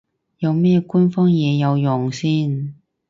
有咩官方嘢有用先